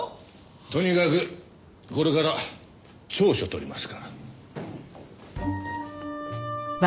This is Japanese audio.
とにかくこれから調書取りますから。